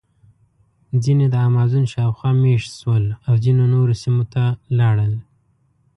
ځینې د امازون شاوخوا مېشت شول او ځینې نورو سیمو ته لاړل.